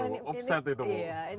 upset itu bu